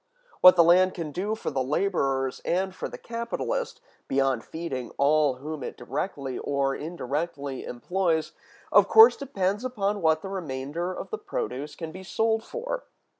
What the land can do for the laborers and for the capitalist, beyond feeding all whom it directly or indirectly employs, of course depends upon what the remainder of the produce can be sold for.